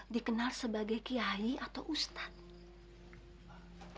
dikenal sebagai kiai atau ustadz